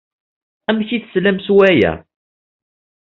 Amek ay teslam s waya?